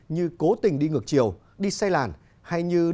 như cố tình đi ngược chiều đi xe làn hay như đốt xe